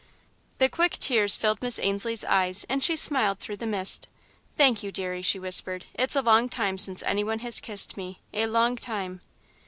The quick tears filled Miss Ainslie's eyes and she smiled through the mist. "Thank you, deary," she whispered, "it's a long time since any one has kissed me a long time!"